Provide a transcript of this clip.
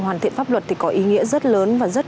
hoàn thiện pháp luật thì có ý nghĩa rất lớn và rất